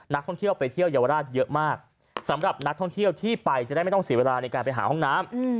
นักท่องเที่ยวไปเที่ยวเยาวราชเยอะมากสำหรับนักท่องเที่ยวที่ไปจะได้ไม่ต้องเสียเวลาในการไปหาห้องน้ำ